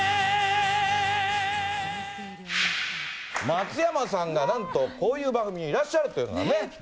松山さんがなんと、こういう番組いらっしゃるというのはね。